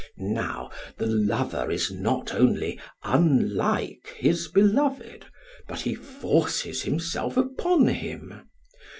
Now the lover is not only unlike his beloved, but he forces himself upon him.